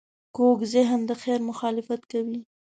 کوږ ذهن د خیر مخالفت کوي